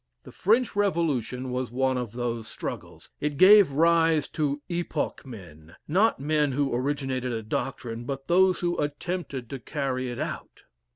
The French Revolution was one of those struggles. It gave rise to epoch men. Not men who originated a doctrine, but those who attempted to carry it out.